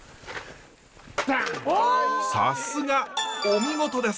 さすがお見事です。